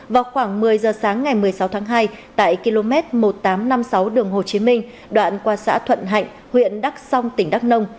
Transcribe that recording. vào khoảng một mươi giờ sáng ngày một mươi sáu tháng hai tại km một nghìn tám trăm năm mươi sáu đường hồ chí minh đoạn qua xã thuận hạnh huyện đắk song tỉnh đắk nông